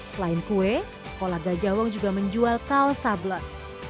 selain kue sekolah gajah wong juga menjual kaos sablon